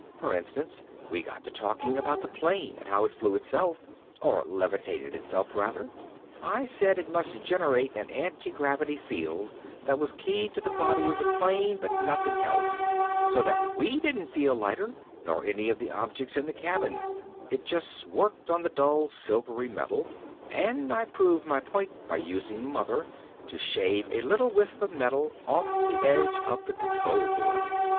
For instance, we got to talking about the plane and how it flew itself or levitated itself, rather. I said it must generate an antigravity field that was keyed to the body of the plane but nothing else, so that we didn't feel lighter, nor any of the objects in the cabin it just worked on the dull silvery metal and I proved my point by using Mother to shave a little wisp of metal off the edge of the control board.